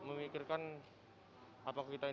di mana waktu tiap waktu kita kita akan berjalan